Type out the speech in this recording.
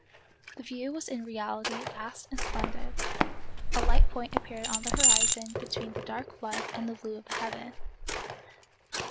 The view was in reality vast and splendid. A light point appeared on the horizon between the dark flood and the blue of the heaven.